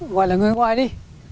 họ gọi là người ngoài đi